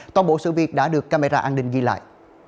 toàn bộ sự việc đã được camera an ninh ghi lại